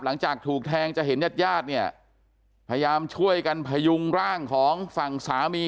หลังจากถูกแทงจะเห็นญาติญาติเนี่ยพยายามช่วยกันพยุงร่างของฝั่งสามี